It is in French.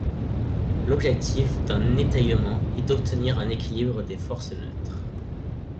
L'objectif d'un étaiement est d'obtenir un équilibre des forces neutre.